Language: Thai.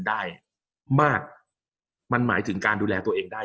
กับการสตรีมเมอร์หรือการทำอะไรอย่างเงี้ย